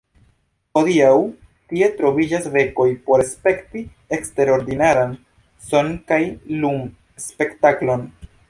Hodiaŭ tie troviĝas benkoj por spekti eksterordinaran son- kaj lum-spektaklon.